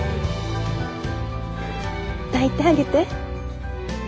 抱いてあげて。